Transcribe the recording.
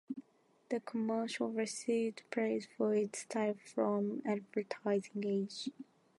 The commercial received praise for its style from "Advertising Age".